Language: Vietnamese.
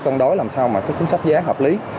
tôn đối làm sao mà chúng sắp giá hợp lý